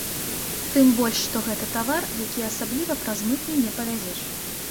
Тым больш, што гэта тавар, які асабліва праз мытню не павязеш.